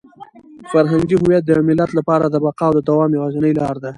فرهنګي هویت د یو ملت لپاره د بقا او د دوام یوازینۍ لاره ده.